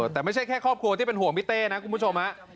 แต่ไม่ใช่แค่ครอบครัวที่เป็นห่วงพี่เต้นะคุณผู้ชม